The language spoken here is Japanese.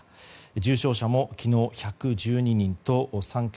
重症者も昨日１１２人と３桁。